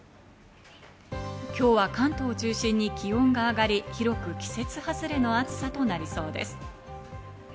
今日は関東を中心に気温が上がり、広く季節外れの暑さとなりそうです。